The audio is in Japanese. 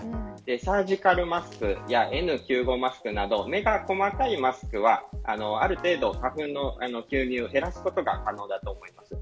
サージカルマスクやＮ９５マスクなど目が細かいマスクはある程度、花粉の吸入を減らすことが可能だと思います。